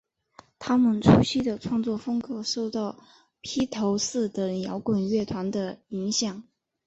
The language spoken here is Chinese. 她们初期的创作风格受到披头四等摇滚乐团的影响。